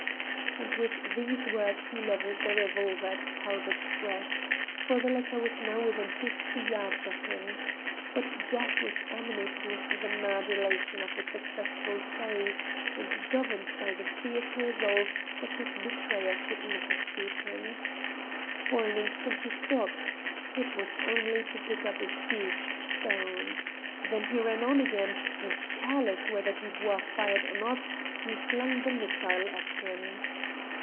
And with these words he levelled the revolver at Talbot's breast, for the latter was now within fifty yards of him. But Jack was animated with the mad elation of a successful chase, and governed by the fierce resolve that his betrayer should not escape him. For an instant he stopped. It was only to pick up a huge stone. Then he ran on again, and, careless whether Dubois fired or not, he flung the missile at him.